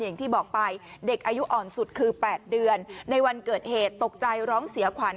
อย่างที่บอกไปเด็กอายุอ่อนสุดคือ๘เดือนในวันเกิดเหตุตกใจร้องเสียขวัญ